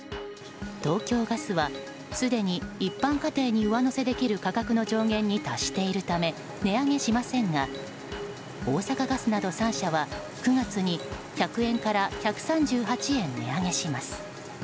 東京ガスはすでに一般家庭に上乗せできる価格の上限に達しているため値上げしませんが大阪ガスなど３社は９月に１００円から１３８円値上げします。